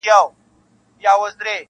هغه له فردي وجود څخه پورته يو سمبول ګرځي-